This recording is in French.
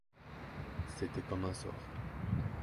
C’était comme un sort...